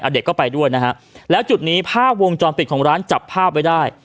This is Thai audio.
เด็กก็ไปด้วยนะฮะแล้วจุดนี้ภาพวงจรปิดของร้านจับภาพไว้ได้